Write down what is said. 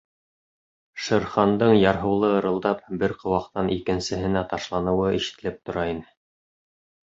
Шер Хандың, ярһыулы ырылдап, бер ҡыуаҡтан икенсеһенә ташланыуы ишетелеп тора ине.